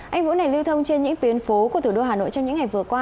anh vũ này lưu thông trên những tuyến phố của thủ đô hà nội trong những ngày vừa qua